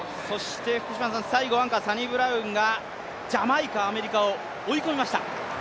最後アンカーサニブラウンがジャマイカアメリカを追い込みました。